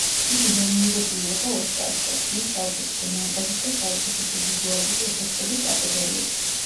იგი ნომინირებული იყო ოსკარზე, ხმის საუკეთესო მონტაჟის და საუკეთესო ვიზუალური ეფექტების კატეგორიებში.